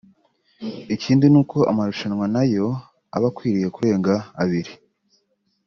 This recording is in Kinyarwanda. Ikindi ni uko amarushanwa na yo abakwiye kurenga abiri